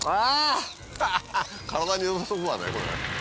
体に良さそうだねこれ。